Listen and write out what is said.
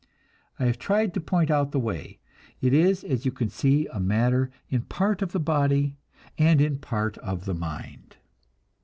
I have tried to point out the way; it is, as you can see, a matter in part of the body and in part of the mind.